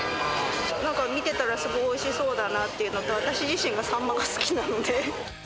なんか見てたら、すごいおいしそうだなというのと、私自身がサンマが好きなので。